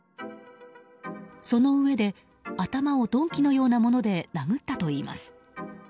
そのうえで頭を鈍器のようなもので殴ったといいます。